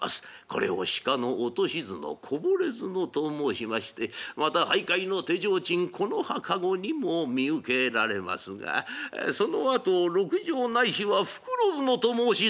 これを鹿の落とし角こぼれ角と申しましてまた俳諧の手提灯木ノ葉籠にも見受けられますがそのあと鹿茸ないしは袋角と申し」。